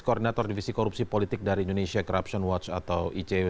koordinator divisi korupsi politik dari indonesia corruption watch atau icw